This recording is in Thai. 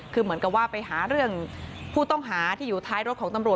คือเหมือนกับว่าไปหาเรื่องผู้ต้องหาที่อยู่ท้ายรถของตำรวจ